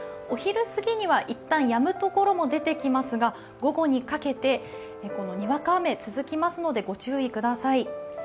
お昼過ぎにはいったんやむところも出てきますが、午後にかけてにわか雨続きますのでご注意ください。